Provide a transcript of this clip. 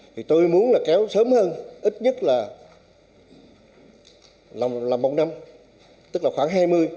thì tôi muốn là kéo sớm hơn ít nhất là một năm tức là khoảng hai mươi